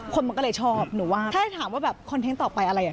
คนมันก็เลยชอบถ้าถามว่าคอนเทนต์ต่อไปอะไรอย่างนี้